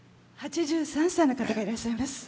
８３歳の方がいらっしゃいます。